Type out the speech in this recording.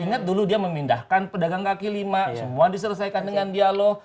ingat dulu dia memindahkan pedagang kaki lima semua diselesaikan dengan dialog